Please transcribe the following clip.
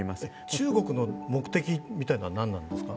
中国の目的みたいのは何なんですか？